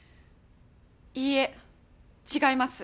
いいえ違います。